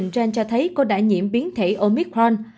nữ nhân viên cho thấy cô đã nhiễm biến thể omicron